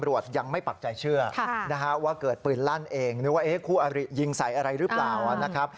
ว่าเกิดปืนลั่นเองนึกว่าคู่ยิงใส่อะไรหรือเปล่า